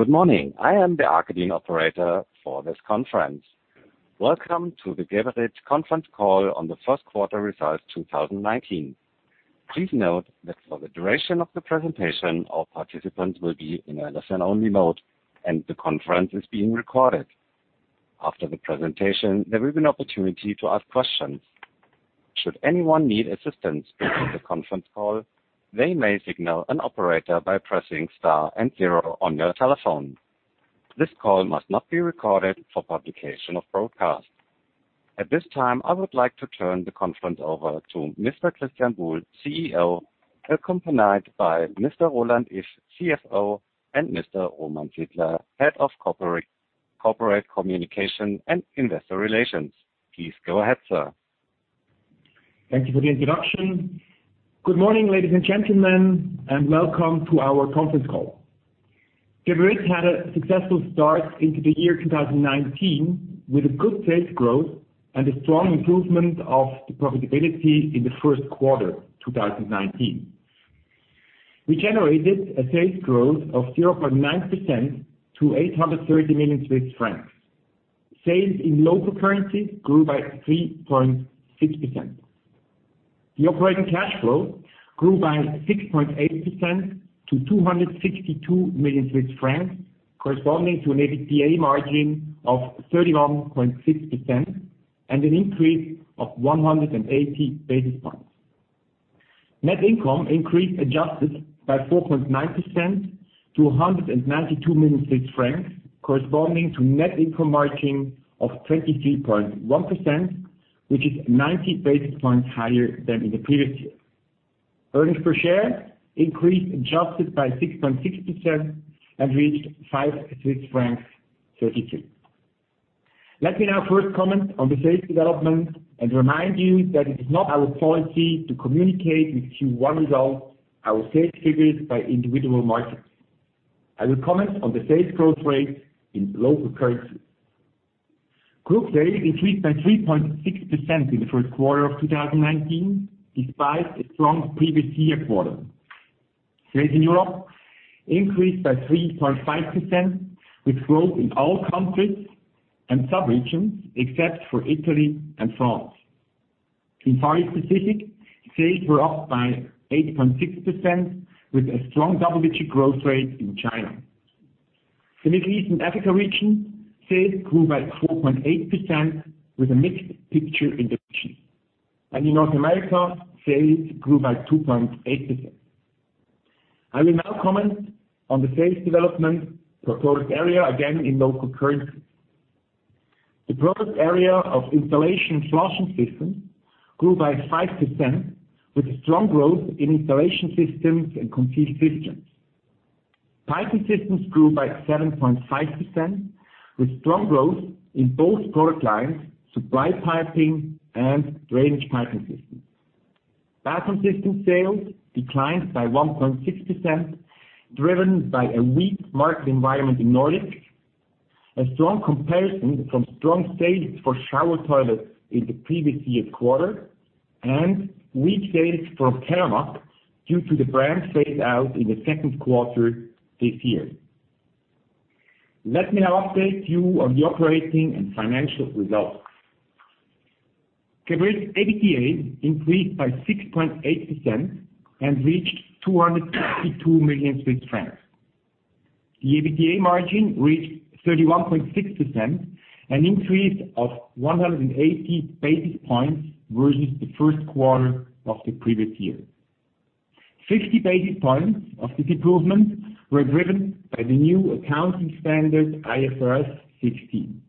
Good morning. I am the Agodin operator for this conference. Welcome to the Geberit conference call on the first quarter results 2019. Please note that for the duration of the presentation, all participants will be in a listen-only mode, and the conference is being recorded. After the presentation, there will be an opportunity to ask questions. Should anyone need assistance during the conference call, they may signal an operator by pressing Star and Zero on your telephone. This call must not be recorded for publication or broadcast. At this time, I would like to turn the conference over to Mr. Christian Buhl, CEO, accompanied by Mr. Roland Iff, CFO, and Mr. Roman Sidler, Head of Corporate Communication and Investor Relations. Please go ahead, sir. Thank you for the introduction. Good morning, ladies and gentlemen, welcome to our conference call. Geberit had a successful start into the year 2019 with a good sales growth and a strong improvement of the profitability in the first quarter 2019. We generated a sales growth of 0.9% to 830 million Swiss francs. Sales in local currencies grew by 3.6%. The operating cash flow grew by 6.8% to 262 million Swiss francs, corresponding to an EBITDA margin of 31.6% and an increase of 180 basis points. Net income increased, adjusted by 4.9% to 192 million francs, corresponding to net income margin of 23.1%, which is 90 basis points higher than in the previous year. Earnings per share increased, adjusted by 6.6% and reached 5.33 Swiss francs. Let me now first comment on the sales development, remind you that it is not our policy to communicate with Q1 results our sales figures by individual markets. I will comment on the sales growth rate in local currency. Group sales increased by 3.6% in the first quarter of 2019, despite a strong previous year quarter. Sales in Europe increased by 3.5%, with growth in all countries and subregions except for Italy and France. In Far East Pacific, sales were up by 8.6%, with a strong double-digit growth rate in China. The Middle East and Africa region sales grew by 4.8% with a mixed picture in the region. In North America, sales grew by 2.8%. I will now comment on the sales development per product area, again in local currency. The product area of Installation and Flushing Systems grew by 5%, with strong growth in installation systems and concealed systems. Piping Systems grew by 7.5%, with strong growth in both product lines, Supply piping systems and Drainage piping systems. Bathroom Systems sales declined by 1.6%, driven by a weak market environment in Nordic, a strong comparison from strong sales for Shower Toilets in the previous year quarter, and weak sales from Keramag, due to the brand phase-out in the second quarter this year. Let me now update you on the operating and financial results. Geberit EBITDA increased by 6.8% and reached 262 million Swiss francs. The EBITDA margin reached 31.6%, an increase of 180 basis points versus the first quarter of the previous year. 50 basis points of this improvement were driven by the new accounting standard, IFRS 16.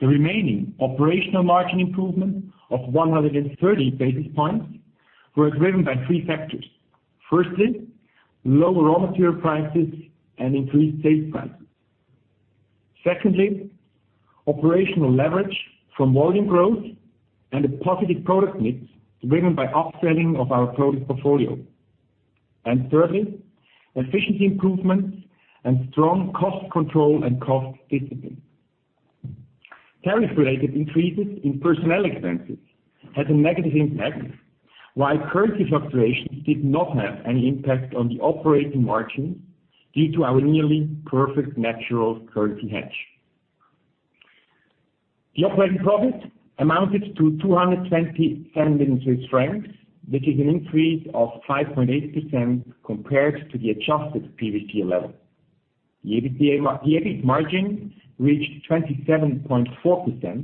The remaining operational margin improvement of 130 basis points were driven by three factors. Firstly, lower raw material prices and increased sales prices. Secondly, operational leverage from volume growth and a positive product mix driven by upselling of our product portfolio. Thirdly, efficiency improvements and strong cost control and cost discipline. Tariff-related increases in personnel expenses had a negative impact, while currency fluctuations did not have any impact on the operating margin due to our nearly perfect natural currency hedge. The operating profit amounted to 227 million Swiss francs, which is an increase of 5.8% compared to the adjusted previous year level. The EBIT margin reached 27.4%, 130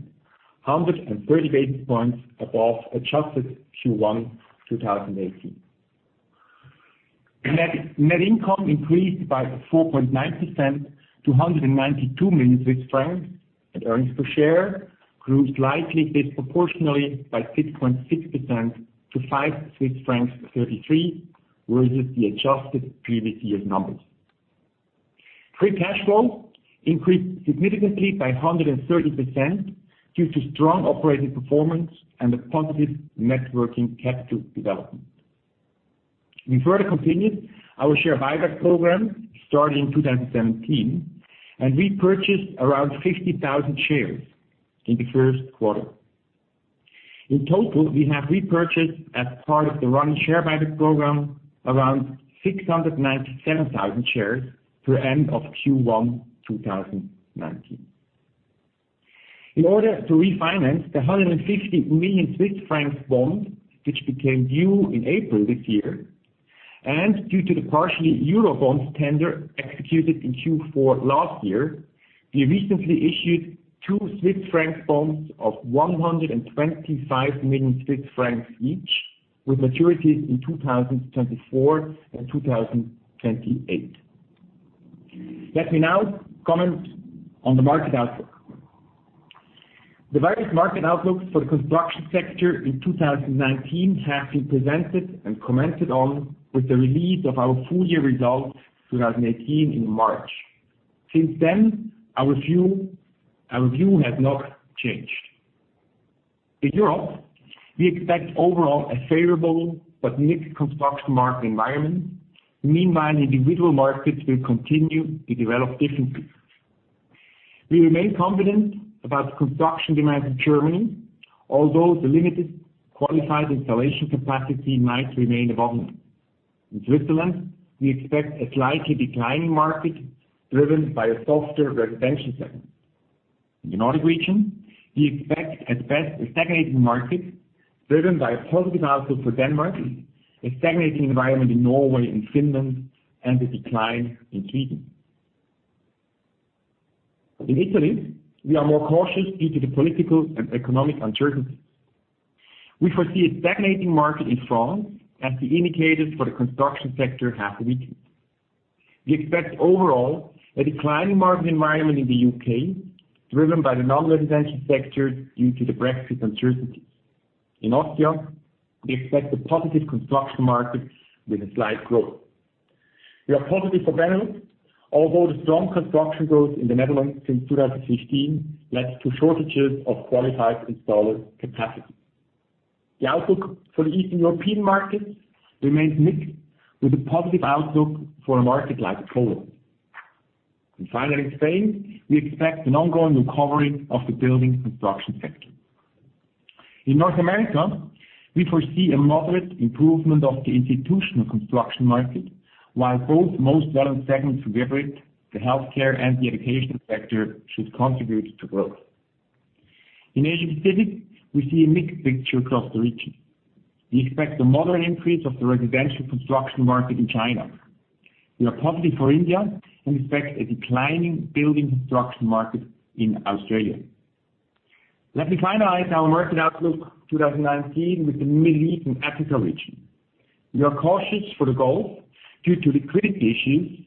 basis points above adjusted Q1 2018. Net income increased by 4.9% to 192 million Swiss francs, and earnings per share grew slightly disproportionally by 6.6% to 5.33 Swiss francs versus the adjusted previous year numbers. Free cash flow increased significantly by 130% due to strong operating performance and a positive net working capital development. We further continued our share buyback program started in 2017, and we purchased around 50,000 shares in the first quarter. In total, we have repurchased as part of the running share buyback program around 697,000 shares through end of Q1 2019. In order to refinance the 150 million Swiss francs bond, which became due in April this year, and due to the partially EUR bonds tender executed in Q4 last year, we recently issued two CHF bonds of 125 million Swiss francs each, with maturities in 2024 and 2028. Let me now comment on the market outlook. The various market outlooks for the construction sector in 2019 have been presented and commented on with the release of our full year results 2018 in March. Since then, our view has not changed. In Europe, we expect overall a favorable but mixed construction market environment. Meanwhile, individual markets will continue to develop differently. We remain confident about the construction demands in Germany, although the limited qualified installation capacity might remain a bottleneck. In Switzerland, we expect a slightly declining market driven by a softer residential segment. In the Nordic region, we expect at best a stagnating market driven by a positive outlook for Denmark, a stagnating environment in Norway and Finland, and a decline in Sweden. In Italy, we are more cautious due to the political and economic uncertainty. We foresee a stagnating market in France as the indicators for the construction sector have weakened. We expect overall a declining market environment in the U.K., driven by the non-residential sector due to the Brexit uncertainties. In Austria, we expect a positive construction market with a slight growth. We are positive for Benelux, although the strong construction growth in the Netherlands since 2015 led to shortages of qualified installer capacity. The outlook for the Eastern European markets remains mixed, with a positive outlook for a market like Poland. Finally, in Spain, we expect an ongoing recovery of the building construction sector. In North America, we foresee a moderate improvement of the institutional construction market, while both most relevant segments for Geberit, the healthcare and the education sector, should contribute to growth. In Asia Pacific, we see a mixed picture across the region. We expect a moderate increase of the residential construction market in China. We are positive for India and expect a declining building construction market in Australia. Let me finalize our market outlook 2019 with the Middle East and Africa region. We are cautious for the Gulf due to liquidity issues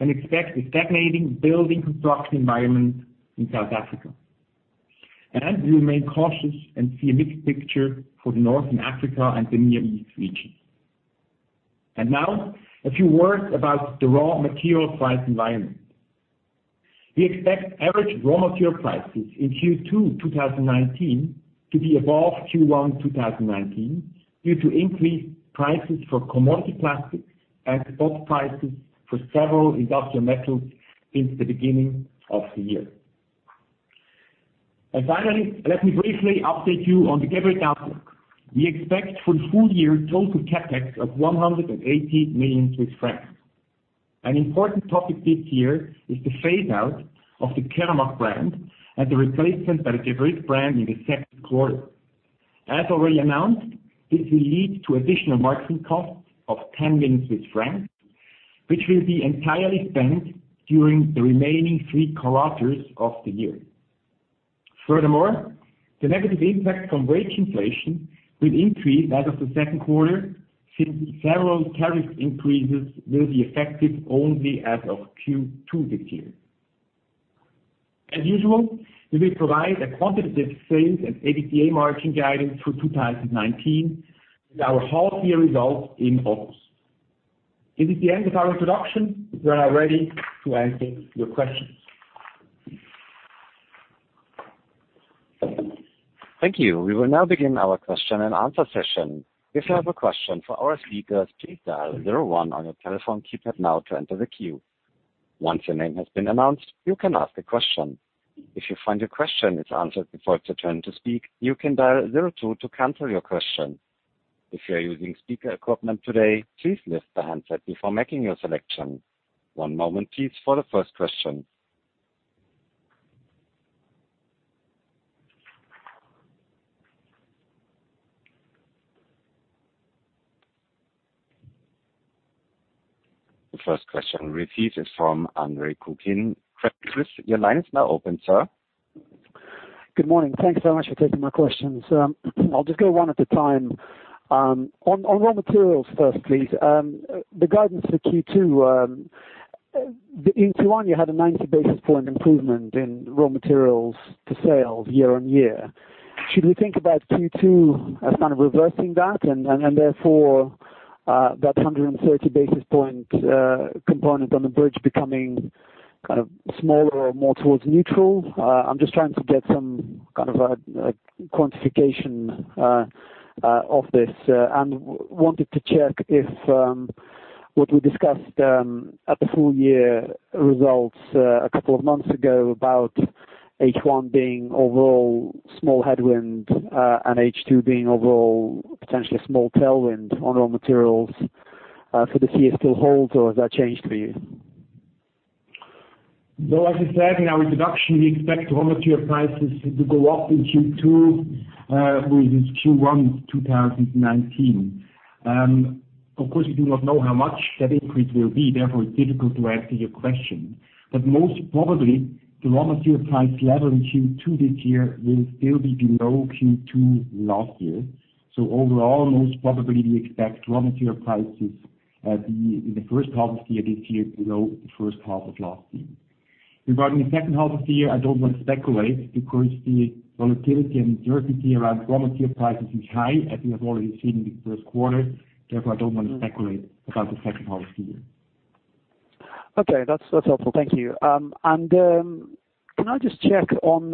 and expect a stagnating building construction environment in South Africa. We remain cautious and see a mixed picture for the Northern Africa and the Near East region. Now a few words about the raw material price environment. We expect average raw material prices in Q2 2019 to be above Q1 2019 due to increased prices for commodity plastics and spot prices for several industrial metals since the beginning of the year. Finally, let me briefly update you on the Geberit outlook. We expect for the full year total CapEx of 180 million Swiss francs. An important topic this year is the phase-out of the Keramag brand and the replacement by the Geberit brand in the second quarter. As already announced, this will lead to additional marketing costs of 10 million CHF, which will be entirely spent during the remaining three quarters of the year. Furthermore, the negative impact from wage inflation will increase as of the second quarter, since several tariff increases will be effective only as of Q2 this year. As usual, we will provide a quantitative sales and EBITDA margin guidance for 2019 with our half year results in August. This is the end of our introduction. We are now ready to answer your questions. Thank you. We will now begin our question and answer session. If you have a question for our speakers, please dial zero one on your telephone keypad now to enter the queue. Once your name has been announced, you can ask a question. If you find your question is answered before it's your turn to speak, you can dial zero two to cancel your question. If you are using speaker equipment today, please lift the handset before making your selection. One moment please for the first question. The first question received is from Andre Kukhnin. Your line is now open, sir. Good morning. Thanks so much for taking my questions. I'll just go one at a time. On raw materials first, please. The guidance for Q2. In Q1 you had a 90 basis point improvement in raw materials to sales year-over-year. Should we think about Q2 as kind of reversing that and therefore, that 130 basis point component on the bridge becoming kind of smaller or more towards neutral? I'm just trying to get some kind of quantification of this. Wanted to check what we discussed at the full year results a couple of months ago about H1 being overall small headwind, and H2 being overall potentially small tailwind on raw materials for the year still holds or has that changed for you? As I said in our introduction, we expect raw material prices to go up in Q2 versus Q1 2019. Of course, we do not know how much that increase will be, therefore, it's difficult to answer your question. Most probably, the raw material price level in Q2 this year will still be below Q2 last year. Overall, most probably, we expect raw material prices the first half of the year this year below the first half of last year. Regarding the second half of the year, I don't want to speculate because the volatility and uncertainty around raw material prices is high, as we have already seen in the first quarter. I don't want to speculate about the second half of the year. Okay. That's helpful. Thank you. Can I just check on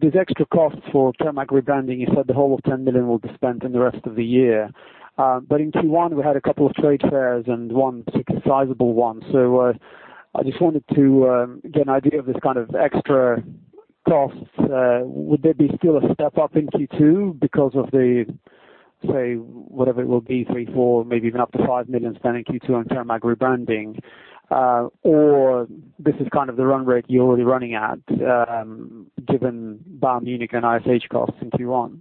this extra cost for Keramag rebranding? You said the whole of 10 million will be spent in the rest of the year. In Q1, we had a couple of trade fairs and one particularly sizable one. I just wanted to get an idea of this kind of extra costs. Would there be still a step up in Q2 because of the, say, whatever it will be, 3 million, 4 million, maybe even up to 5 million spend in Q2 on Keramag rebranding? Or this is kind of the run rate you're already running at given BAU Munich and ISH costs in Q1?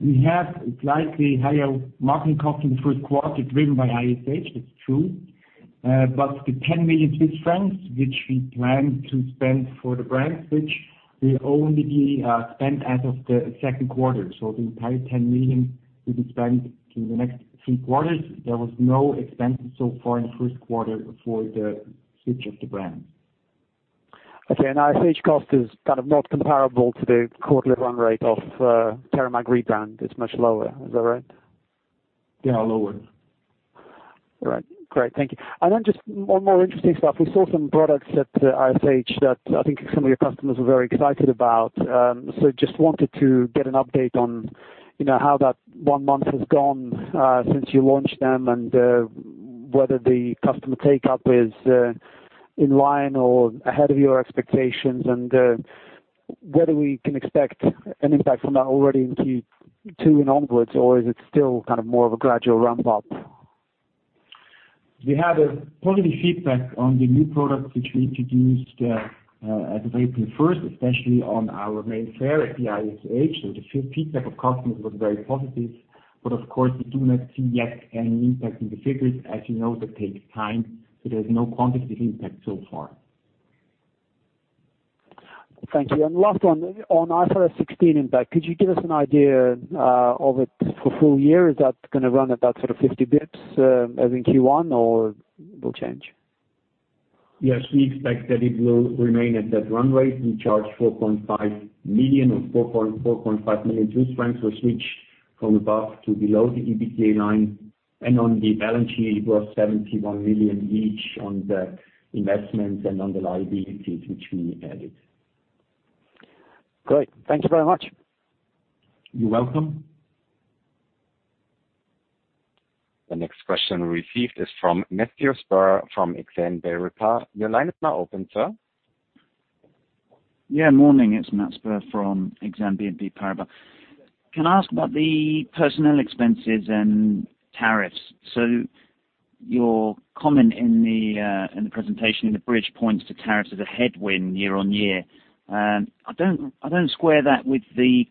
We have slightly higher marketing cost in the first quarter driven by ISH, that's true. The 10 million Swiss francs, which we plan to spend for the brand switch, will only be spent as of the second quarter. The entire 10 million will be spent in the next three quarters. There was no expenses so far in the first quarter for the switch of the brand. Okay. ISH cost is kind of not comparable to the quarterly run rate of Keramag rebrand, it's much lower. Is that right? Yeah, lower. All right. Great. Thank you. Then just one more interesting stuff. We saw some products at ISH that I think some of your customers were very excited about. Just wanted to get an update on how that one month has gone since you launched them and whether the customer take-up is in line or ahead of your expectations, and whether we can expect an impact from that already in Q2 and onwards, or is it still kind of more of a gradual ramp up? We had a positive feedback on the new products which we introduced as of April 1st, especially on our main fair at the ISH. The feedback of customers was very positive. Of course, we do not see yet any impact in the figures. As you know, that takes time. There's no quantitative impact so far. Thank you. Last one. On IFRS 16 impact, could you give us an idea of it for full year? Is that going to run about sort of 50 basis points as in Q1 or it will change? We expect that it will remain at that run rate. We charge 4.5 million or 4.5 million for switch from above to below the EBITDA line. On the balance sheet, it was 71 million each on the investments and on the liabilities which we added. Great. Thank you very much. You're welcome. The next question received is from Martin Suter from Exane BNP Paribas. Your line is now open, sir. morning. It's Martin Suter from Exane BNP Paribas. Can I ask about the personnel expenses and tariffs? Your comment in the presentation in the bridge points to tariffs as a headwind year-over-year. I don't square that with the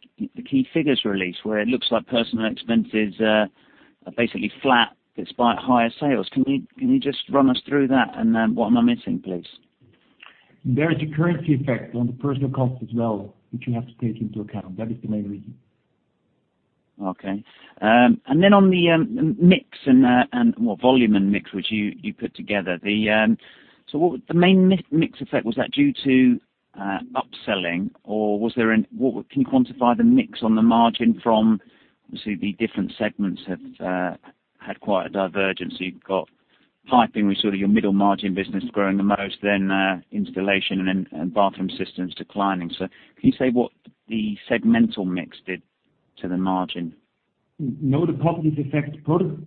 key figures release, where it looks like personnel expenses are basically flat despite higher sales. Can you just run us through that? What am I missing, please? There is a currency effect on the personnel cost as well, which you have to take into account. That is the main reason. Okay. on the mix, volume and mix, which you put together. What was the main mix effect? Was that due to upselling or can you quantify the mix on the margin from? Obviously, the different segments have had quite a divergence. You've got Piping with sort of your middle margin business growing the most, then Installation and then Bathroom Systems declining. Can you say what the segmental mix did to the margin? No. The positive effect from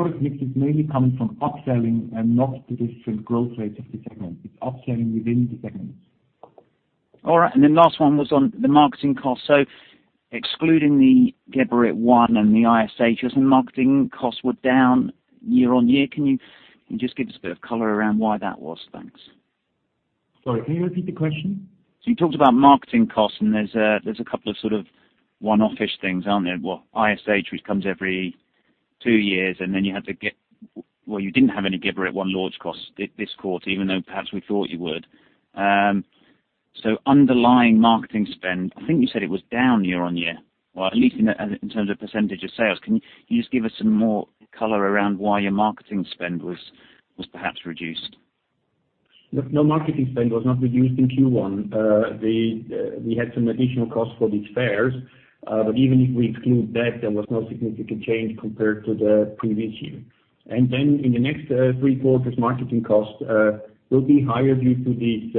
product mix is mainly coming from upselling and not the different growth rates of the segment. It's upselling within the segments. All right. Last one was on the marketing cost. Excluding the Geberit ONE and the ISH, your marketing costs were down year-on-year. Can you just give us a bit of color around why that was? Thanks. Sorry, can you repeat the question? You talked about marketing costs, there's a couple of sort of one-off-ish things, aren't there? ISH, which comes every two years, you didn't have any Geberit ONE launch costs this quarter, even though perhaps we thought you would. Underlying marketing spend, I think you said it was down year-on-year, or at least in terms of percentage of sales. Can you just give us some more color around why your marketing spend was perhaps reduced? No, marketing spend was not reduced in Q1. We had some additional costs for these fairs. Even if we exclude that, there was no significant change compared to the previous year. In the next three quarters, marketing costs will be higher due to these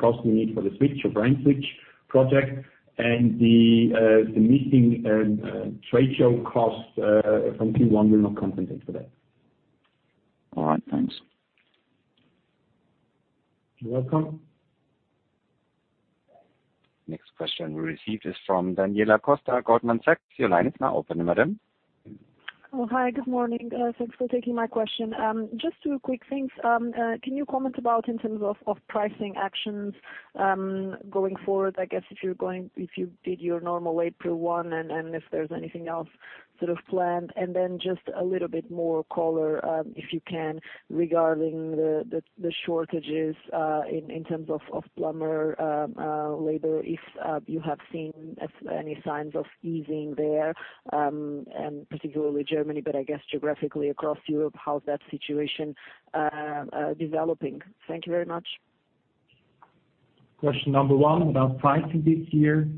costs we need for the switch, so brand switch project and the missing trade show costs from Q1 will not compensate for that. All right. Thanks. You're welcome. Next question we received is from Daniela Costa, Goldman Sachs. Your line is now open, madam. Oh, hi. Good morning. Thanks for taking my question. Just two quick things. Can you comment about in terms of pricing actions, going forward, I guess if you did your normal April one, and if there's anything else sort of planned? And then just a little bit more color, if you can, regarding the shortages in terms of plumber labor, if you have seen any signs of easing there, and particularly Germany, but I guess geographically across Europe, how is that situation developing? Thank you very much. Question number one about pricing this year.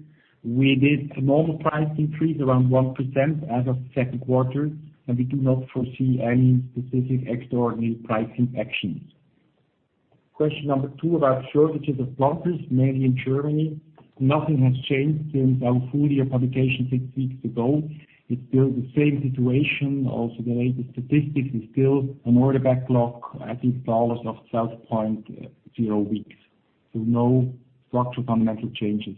We did a small price increase around 1% as of the second quarter, and we do not foresee any specific extraordinary pricing actions. Question number two about shortages of plumbers, mainly in Germany. Nothing has changed since our full year publication 6 weeks ago. It's still the same situation. Also, the latest statistics is still an order backlog at installers of 12.0 weeks. No structural fundamental changes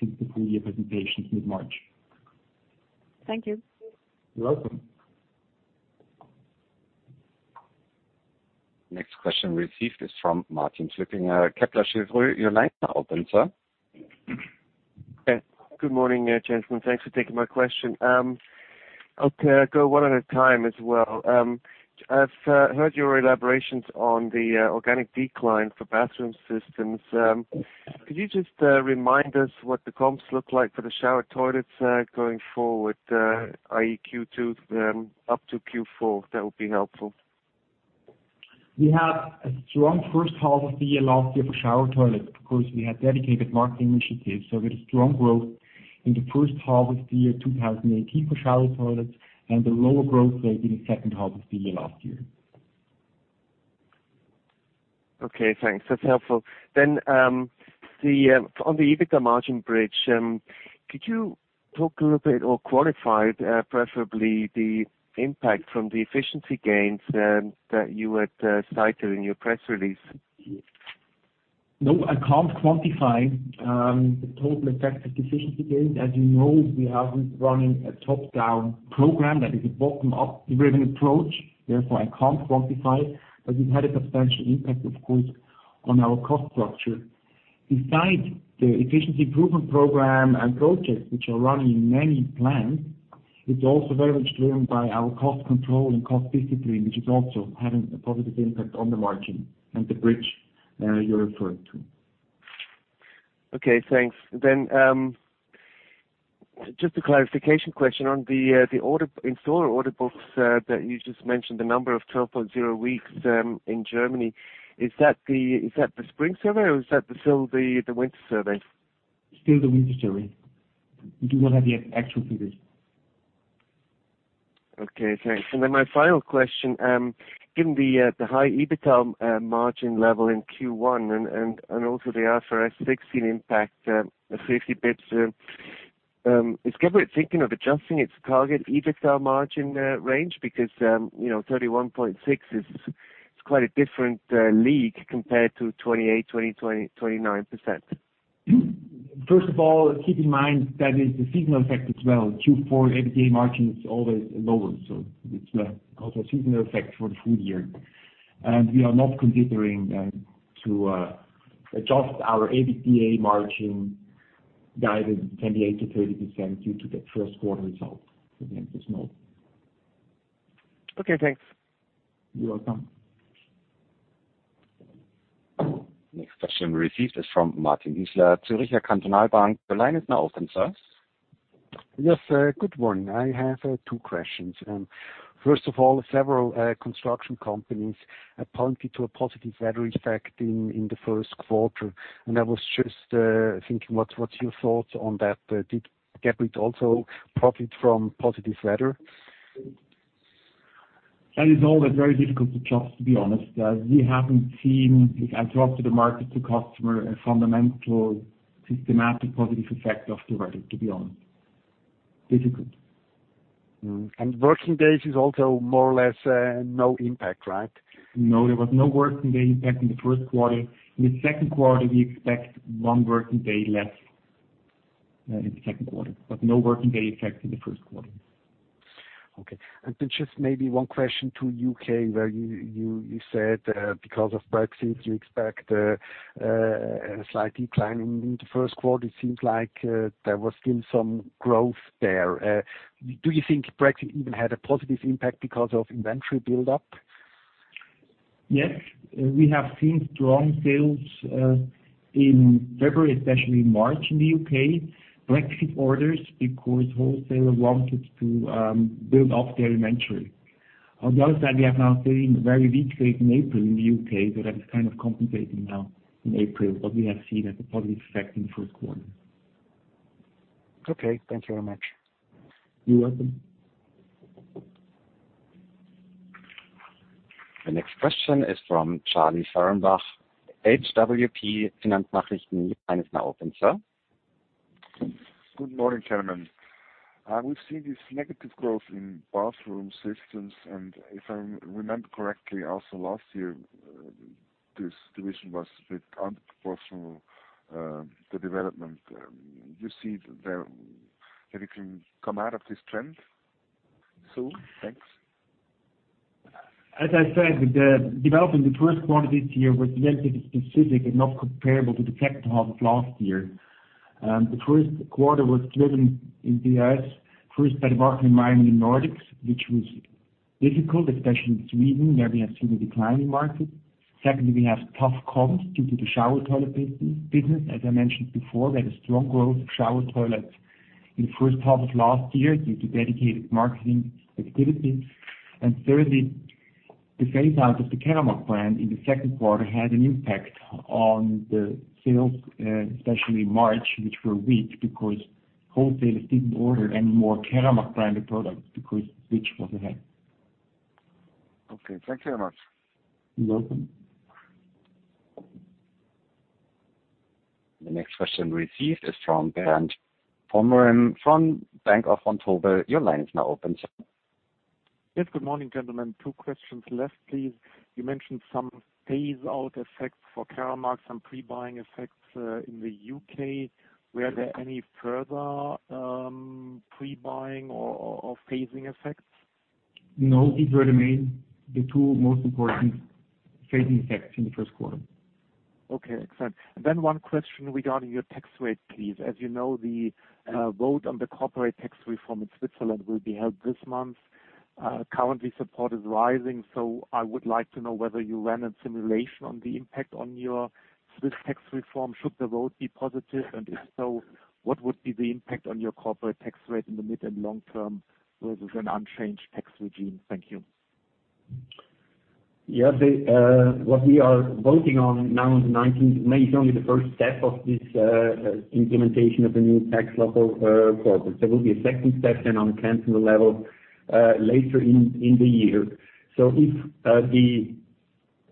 since the full year presentation mid-March. Thank you. You're welcome. Next question received is from Martin Flueckiger, Kepler Cheuvreux. Your line is now open, sir. Good morning, gentlemen. Thanks for taking my question. I'll go one at a time as well. I've heard your elaborations on the organic decline for Bathroom Systems. Could you just remind us what the comps look like for the Shower Toilets going forward, i.e. Q2 up to Q4? That would be helpful. We had a strong first half of the year last year for Shower Toilets because we had dedicated marketing initiatives. We had strong growth in the first half of the year 2018 for Shower Toilets and a lower growth rate in the second half of the year last year. Okay, thanks. That's helpful. On the EBITDA margin bridge, could you talk a little bit or quantify preferably the impact from the efficiency gains that you had cited in your press release? No, I can't quantify the total effect of efficiency gains. As you know, we haven't run a top-down program that is a bottom-up driven approach. I can't quantify it, but it had a substantial impact, of course, on our cost structure. Besides the efficiency improvement program and projects which are running in many plants, it's also very much driven by our cost control and cost discipline, which is also having a positive impact on the margin and the bridge you're referring to. Okay, thanks. Just a clarification question on the installer order books that you just mentioned, the number of 12.0 weeks in Germany. Is that the spring survey or is that still the winter survey? Still the winter survey. We do not have the actual figures. Okay, thanks. My final question. Given the high EBITDA margin level in Q1 and also the IFRS 16 impact of 50 basis points, is Geberit thinking of adjusting its target EBITDA margin range? 31.6 is quite a different league compared to 28%, 29%. First of all, keep in mind that is the seasonal effect as well. Q4 EBITDA margin is always lower, so it is also a seasonal effect for the full year. We are not considering to adjust our EBITDA margin guided 28%-30% due to the first quarter results. The answer is no. Okay, thanks. You're welcome. Next question received is from Martin Hüsler, Zürcher Kantonalbank. Your line is now open, sir. Yes, good morning. I have two questions. First of all, several construction companies are pointing to a positive weather effect in the first quarter. I was just thinking, what's your thoughts on that? Did Geberit also profit from positive weather? That is always very difficult to judge, to be honest. We haven't seen, I talked to the market, to customer, a fundamental, systematic, positive effect of the weather, to be honest. Difficult. Working days is also more or less no impact, right? No, there was no working day impact in the first quarter. In the second quarter, we expect one working day less in the second quarter, but no working day effect in the first quarter. Okay. Then just maybe one question to U.K., where you said because of Brexit, you expect a slight decline in the first quarter. It seems like there was still some growth there. Do you think Brexit even had a positive impact because of inventory buildup? Yes. We have seen strong sales in February, especially March in the U.K. Brexit orders, because wholesalers wanted to build up their inventory. On the other side, we have now seen a very weak trade in April in the U.K., that is kind of compensating now in April. We have seen a positive effect in the first quarter. Okay, thank you very much. You're welcome. The next question is from Charlie Fehrenbach, AWP Finanznachrichten. Line is now open, sir. Good morning, gentlemen. We've seen this negative growth in Bathroom Systems. If I remember correctly, also last year, this division was a bit under proportional. The development, you see that it can come out of this trend soon? Thanks. As I said, the development in the first quarter this year was relatively specific and not comparable to the second half of last year. The first quarter was driven in the U.S., first by the market in mining in Nordics, which was difficult, especially in Sweden, where we have seen a decline in market. Secondly, we have tough comps due to the Shower Toilets business. As I mentioned before, we had a strong growth of Shower Toilets in the first half of last year due to dedicated marketing activities. Thirdly, the phase out of the Keramag brand in the second quarter had an impact on the sales, especially March, which were weak because wholesalers didn't order any more Keramag branded products because the switch was ahead. Okay, thank you very much. You're welcome. The next question received is from Bernd Pomrehn from Bank Vontobel. Your line is now open, sir. Yes. Good morning, gentlemen. Two questions left, please. You mentioned some phaseout effects for Keramag, some pre-buying effects in the U.K. Were there any further pre-buying or phasing effects? No. These were the main, the two most important phasing effects in the first quarter. Okay. Excellent. Then one question regarding your tax rate, please. As you know, the vote on the corporate tax reform in Switzerland will be held this month. Currently, support is rising. I would like to know whether you ran a simulation on the impact on your Swiss tax reform should the vote be positive, and if so, what would be the impact on your corporate tax rate in the mid and long term versus an unchanged tax regime. Thank you. Yes. What we are voting on now on the 19th of May is only the first step of this implementation of the new tax level for us. There will be a second step on the canton level, later in the year. If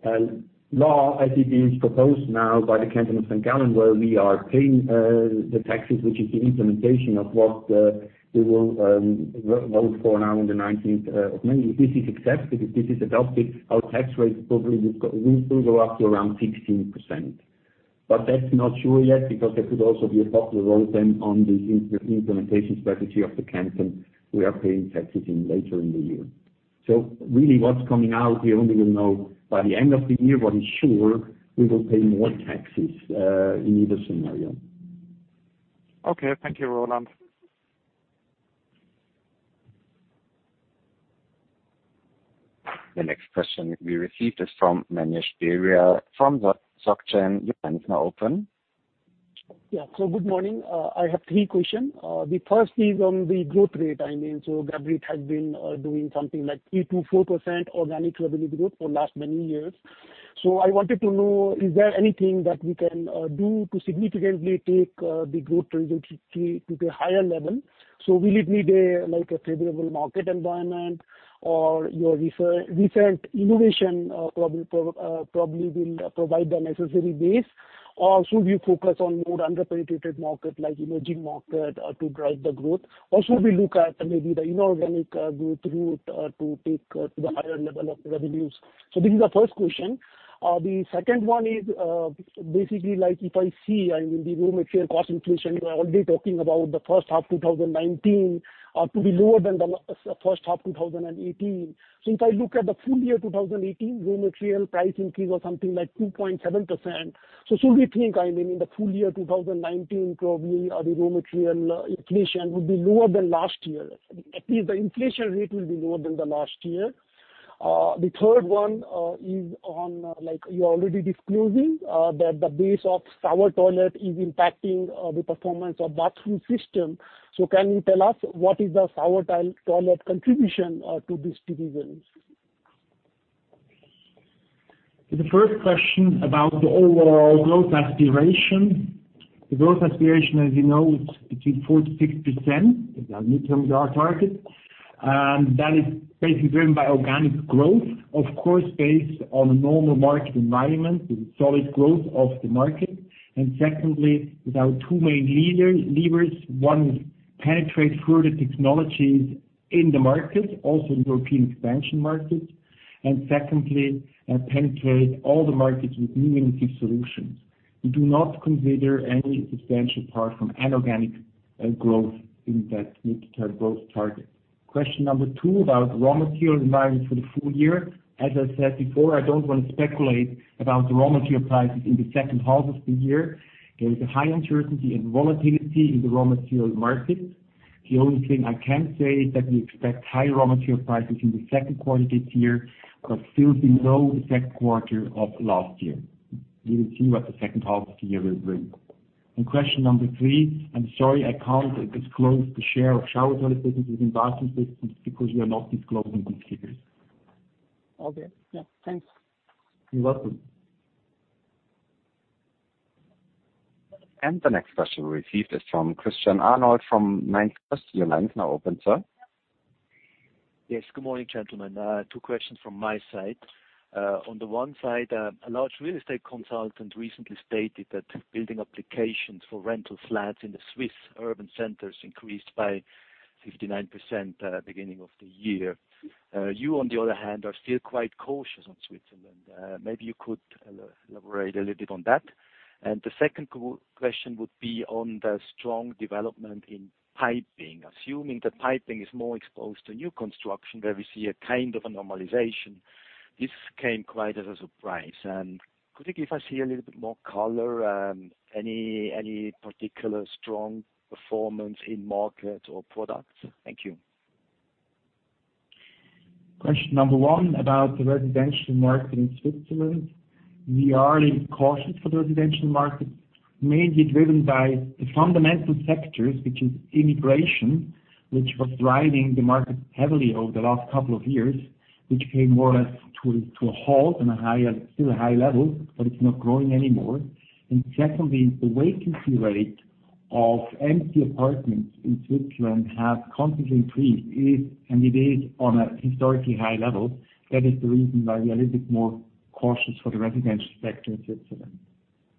the law, as it is proposed now by the canton of St. Gallen, where we are paying the taxes, which is the implementation of what we will vote for now on the 19th of May. If this is accepted, if this is adopted, our tax rates probably will go up to around 16%. That's not sure yet because there could also be a popular vote then on this implementation strategy of the canton we are paying taxes in later in the year. Really what's coming out, we only will know by the end of the year. What is sure, we will pay more taxes, in either scenario. Okay. Thank you, Roland. The next question we received is from Manish Daniya from Zürcher Kantonalbank. Your line is now open. Good morning. I have three question. The first is on the growth rate. Geberit has been doing something like 3%-4% organic revenue growth for last many years. I wanted to know, is there anything that we can do to significantly take the growth trajectory to the higher level? Will it need a favorable market environment or your recent innovation probably will provide the necessary base, or should we focus on more under-penetrated market like emerging market to drive the growth? Or should we look at maybe the inorganic growth route to take to the higher level of revenues? This is the first question. The second one is, I mean the raw material cost inflation, you are already talking about the first half 2019 to be lower than the first half 2018. If I look at the full year 2018, raw material price increase was something like 2.7%. Should we think, I mean, in the full year 2019, probably the raw material inflation would be lower than last year? At least the inflation rate will be lower than the last year. The third one is on, you are already disclosing that the base of Shower Toilet is impacting the performance of Bathroom Systems. Can you tell us what is the Shower Toilet contribution to these divisions? The first question about the overall growth aspiration. The growth aspiration, as you know, is between 4%-6%, is our midterm growth target. That is basically driven by organic growth, of course, based on a normal market environment with solid growth of the market. Secondly, with our two main levers. One, penetrate further technologies in the market, also in European expansion markets. Secondly, penetrate all the markets with new innovative solutions. We do not consider any substantial part from an organic growth in that midterm growth target. Question number two about raw material environment for the full year. As I said before, I don't want to speculate about the raw material prices in the second half of the year. There is a high uncertainty and volatility in the raw material market. The only thing I can say is that we expect high raw material prices in the second quarter this year, but still below the second quarter of last year. We will see what the second half of the year will bring. Question number three, I'm sorry, I can't disclose the share of Shower Toilet business within Bathroom Systems because we are not disclosing these figures. Okay. Yeah. Thanks. You're welcome. The next question we received is from Christian Arnold from MainFirst. Your line is now open, sir. Yes. Good morning, gentlemen. Two questions from my side. On the one side, a large real estate consultant recently stated that building applications for rental flats in the Swiss urban centers increased by 59% beginning of the year. You, on the other hand, are still quite cautious on Switzerland. Maybe you could elaborate a little bit on that. The second question would be on the strong development in piping. Assuming that piping is more exposed to new construction, where we see a kind of a normalization. This came quite as a surprise. Could you give us here a little bit more color and any particular strong performance in markets or products? Thank you. Question number one about the residential market in Switzerland. We are a little cautious for the residential market, mainly driven by the fundamental sectors, which is immigration, which was driving the market heavily over the last couple of years, which came more or less to a halt on a still high level, but it is not growing anymore. Secondly, the vacancy rate of empty apartments in Switzerland has constantly increased and it is on a historically high level. That is the reason why we are a little bit more cautious for the residential sector in Switzerland.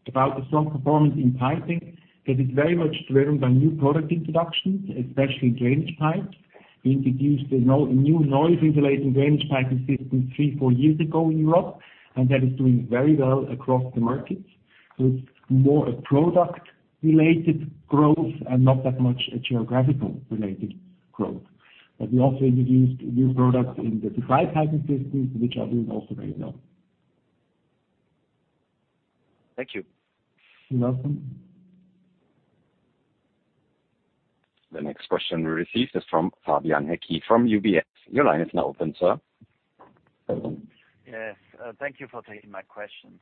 About the strong performance in piping, that is very much driven by new product introductions, especially drainage pipes. We introduced a new noise-insulating drainage piping system three, four years ago in Europe, and that is doing very well across the markets. It is more a product-related growth and not that much a geographical related growth. We also introduced new products in the Drainage piping systems, which are doing also very well. Thank you. You're welcome. The next question we received is from Fabian Deriaz from UBS. Your line is now open, sir. Yes. Thank you for taking my questions.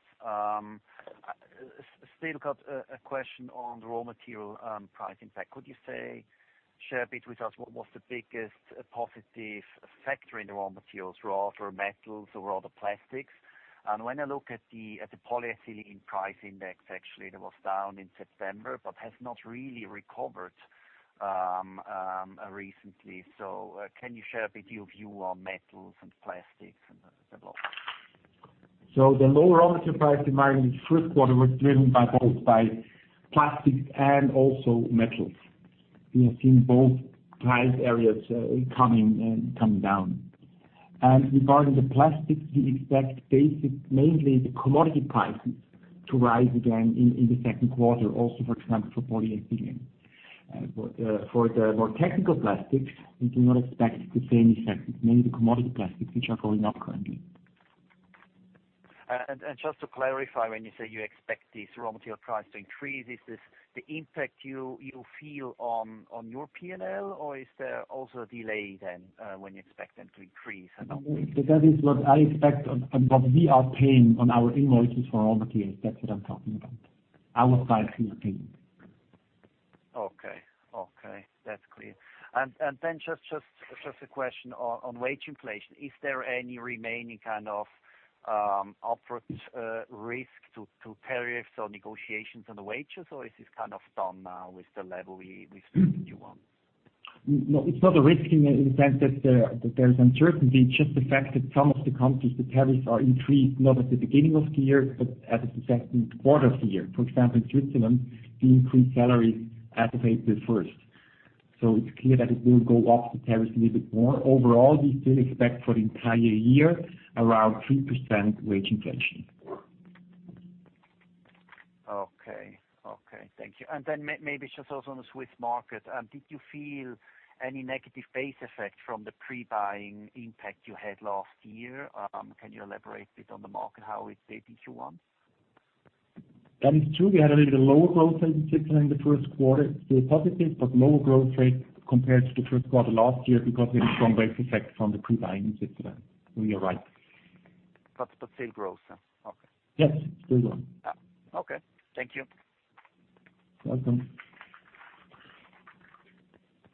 Still got a question on the raw material price impact. Could you share a bit with us what was the biggest positive factor in the raw materials, metals or other plastics? When I look at the polyethylene price index, actually, that was down in September, but has not really recovered recently. Can you share a bit your view on metals and plastics and the lot? The lower raw material price environment in the first quarter was driven by both plastics and also metals. We have seen both price areas coming down. Regarding the plastics, we expect mainly the commodity prices to rise again in the second quarter also, for example, for polyethylene. For the more technical plastics, we do not expect the same effect. Mainly the commodity plastics, which are going up currently. Just to clarify, when you say you expect these raw material prices to increase, is this the impact you feel on your P&L, or is there also a delay then, when you expect them to increase? That is what I expect and what we are paying on our invoices for raw materials. That's what I'm talking about. Our side is paying. Okay. That's clear. Then just a question on wage inflation. Is there any remaining kind of upwards risk to tariffs or negotiations on the wages, or is this kind of done now with the level we speak Q1? No, it's not a risk in the sense that there's uncertainty, it's just the fact that some of the countries, the tariffs are increased, not at the beginning of the year, but as the second quarter of the year. For example, in Switzerland, we increased salaries as of April 1st. It's clear that it will go up the tariffs a little bit more. Overall, we still expect for the entire year around 3% wage inflation. Okay. Thank you. Then maybe just also on the Swiss market. Did you feel any negative base effect from the pre-buying impact you had last year? Can you elaborate a bit on the market, how it did in Q1? That is true. We had a little lower growth rate in Switzerland in the first quarter. Still positive, but lower growth rate compared to the first quarter last year because we had a strong base effect from the pre-buying in Switzerland. You are right. Still growth, sir? Okay. Yes, still growth. Okay. Thank you. You're welcome.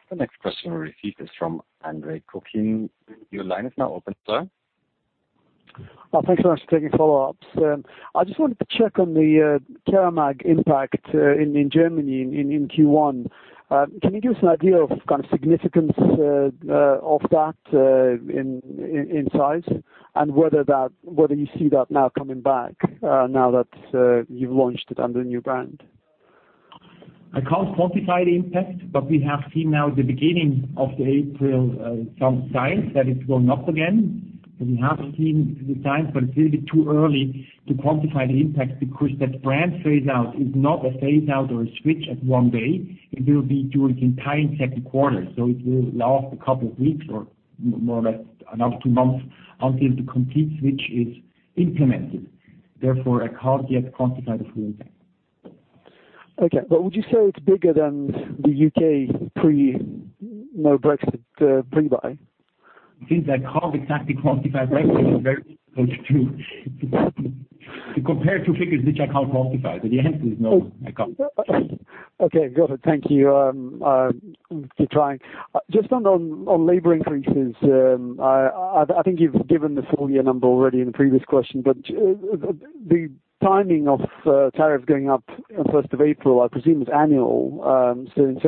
The next question we received is from Andre Kukhnin. Your line is now open, sir. Thanks very much for taking follow-ups. I just wanted to check on the Keramag impact in Germany in Q1. Can you give us an idea of kind of significance of that in size and whether you see that now coming back now that you've launched it under the new brand? I can't quantify the impact, but we have seen now the beginning of the April some signs that it's going up again. We have seen the signs, but it's a little bit too early to quantify the impact because that brand phase out is not a phase out or a switch at one day. It will be during the entire second quarter. It will last a couple of weeks or more or less another two months until the complete switch is implemented. Therefore, I can't yet quantify the full impact. Okay. Would you say it's bigger than the U.K. pre-Brexit pre-buy? Things I can't exactly quantify directly are very difficult to compare two figures which I can't quantify. The answer is no, I can't. Okay, got it. Thank you for trying. Just on labor increases, I think you've given the full year number already in the previous question, the timing of tariff going up on 1st of April, I presume is annual. In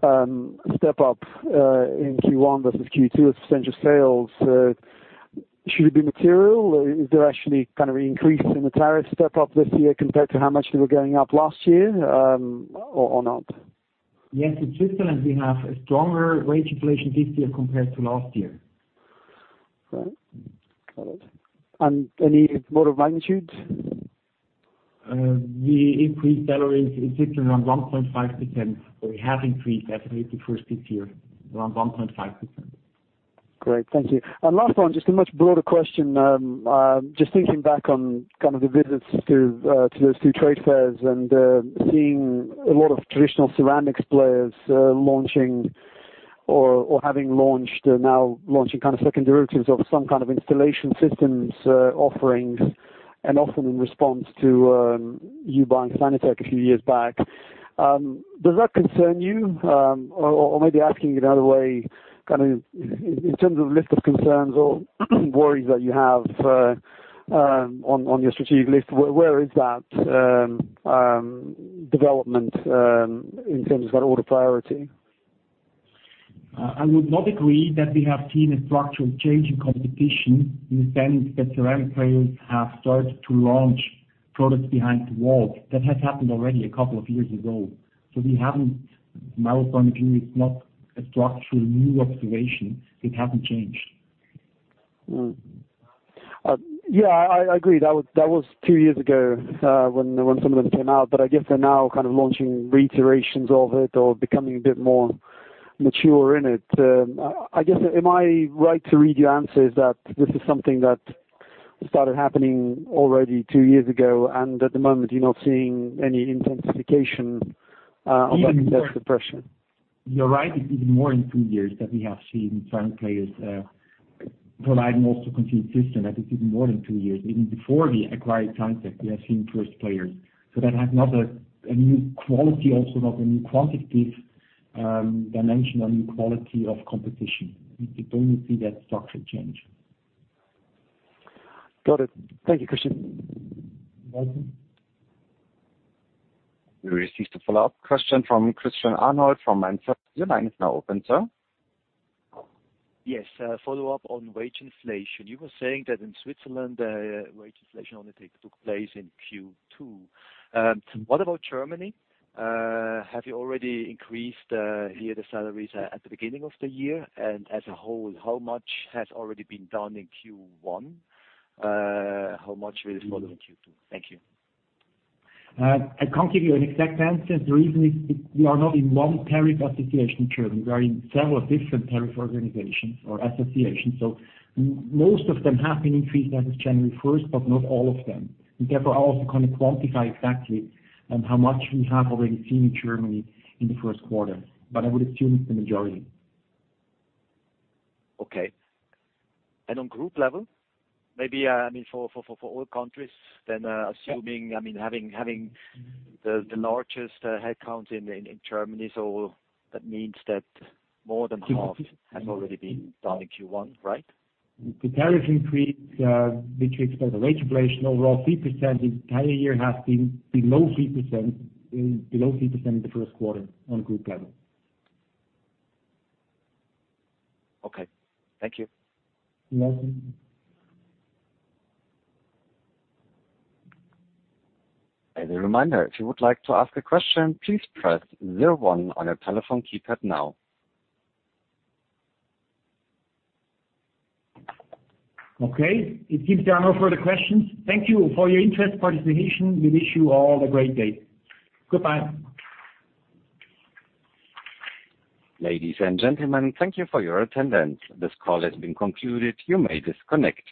terms of step-up in Q1 versus Q2 as a percentage of sales, should it be material? Is there actually an increase in the tariff step-up this year compared to how much they were going up last year, or not? Yes, in Switzerland we have a stronger wage inflation this year compared to last year. Right. Got it. Any more of a magnitude? We increased salaries in Switzerland 1.5%, or we have increased as of the 1st this year, around 1.5%. Great. Thank you. Last one, just a much broader question. Just thinking back on the visits to those two trade fairs and seeing a lot of traditional ceramics players launching or having launched, or now launching second derivatives of some kind of installation systems offerings, and often in response to you buying Sanitec a few years back. Does that concern you? Or maybe asking it another way, in terms of list of concerns or worries that you have on your strategic list, where is that development in terms of order priority? I would not agree that we have seen a structural change in competition in the sense that ceramic players have started to launch products behind the walls. That has happened already a couple of years ago. From my point of view, it's not a structural new observation. It hasn't changed. Yeah, I agree. That was two years ago when some of them came out, but I guess they're now launching reiterations of it or becoming a bit more mature in it. I guess, am I right to read your answers that this is something that started happening already two years ago, and at the moment you're not seeing any intensification of that suppression? You're right. It's even more than two years that we have seen certain players providing also complete system. I think it's even more than two years, even before we acquired Sanitec, we have seen first players. That has not a new quality, also not a new quantitative dimension or new quality of competition. We don't see that structural change. Got it. Thank you, Christian. You're welcome. We received a follow-up question from Christian Arnold. Your line is now open, sir. Yes, a follow-up on wage inflation. You were saying that in Switzerland, wage inflation only took place in Q2. What about Germany? Have you already increased here the salaries at the beginning of the year? As a whole, how much has already been done in Q1? How much will follow in Q2? Thank you. I can't give you an exact answer. The reason is we are not in one tariff association in Germany. We are in several different tariff organizations or associations. Most of them have been increased as of January 1st, but not all of them. Therefore, I also can't quantify exactly how much we have already seen in Germany in the first quarter, but I would assume it's the majority. Okay. On group level? Maybe for all countries then, having the largest headcount in Germany, that means that more than half has already been done in Q1, right? The tariff increase, which explains the wage inflation overall 3% in the entire year, has been below 3% in the first quarter on a group level. Okay. Thank you. You're welcome. As a reminder, if you would like to ask a question, please press one on your telephone keypad now. Okay. It seems there are no further questions. Thank you for your interest and participation. We wish you all a great day. Goodbye. Ladies and gentlemen, thank you for your attendance. This call has been concluded. You may disconnect.